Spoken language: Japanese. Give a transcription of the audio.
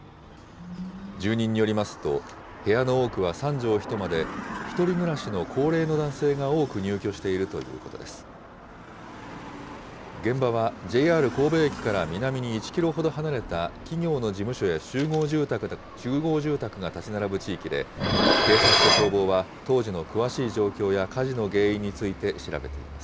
住人によりますと、部屋の多くは３畳一間で、１人暮らしの高齢の男性が多く入居しているということです。